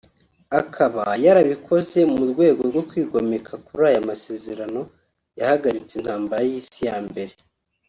Akaba yarabikoze mu rwego rwo kwigomeka kuri aya masezerano yahagaritse intambara y’isi ya mbere